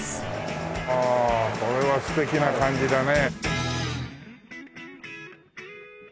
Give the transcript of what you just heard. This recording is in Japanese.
ああこれは素敵な感じだね。